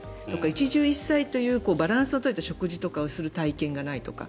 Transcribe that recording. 一汁一菜というバランスの取れた食事とかをする体験がないとか。